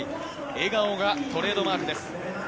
笑顔がトレードマークです。